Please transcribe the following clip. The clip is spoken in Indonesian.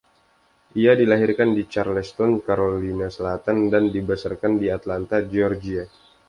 Ia dilahirkan di Charleston, Carolina Selatan dan dibesarkan di Atlanta, Georgia.